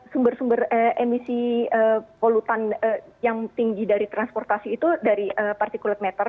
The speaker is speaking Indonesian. sumber sumber emisi polutan yang tinggi dari transportasi itu dari particulate matter